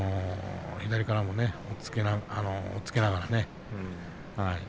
左からも押っつけながら。